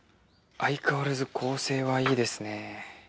相変わらず構成はいいですねえ。